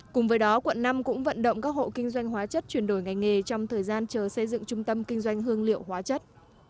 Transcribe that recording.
cùng với đó quận năm cũng vận động các hộ kinh doanh hóa chất chuyển đổi ngành nghề trong thời gian chờ xây dựng trung tâm kinh doanh hương liệu hóa chất